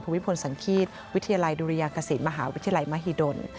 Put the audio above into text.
ผู้วิทยาลัยสังขีศวิทยาลัยดิริยางคศีลมหาวิทยาลัยมหิดล